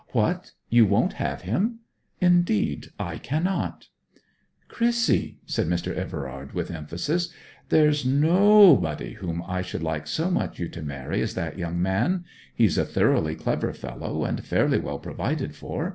'What, you won't have him?' 'Indeed, I cannot!' 'Chrissy,' said Mr. Everard with emphasis, 'there's noobody whom I should so like you to marry as that young man. He's a thoroughly clever fellow, and fairly well provided for.